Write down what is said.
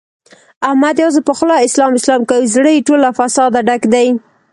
احمد یوازې په خوله اسلام اسلام کوي، زړه یې ټول له فساده ډک دی.